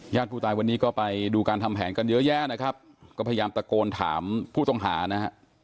ผู้ตายวันนี้ก็ไปดูการทำแผนกันเยอะแยะนะครับก็พยายามตะโกนถามผู้ต้องหานะฮะ